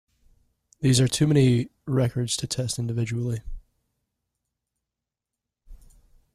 There are too many records to test individually.